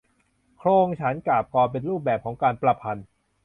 โคลง ฉันท์ กาพย์ กลอน เป็นรูปแบบของการประพันธ์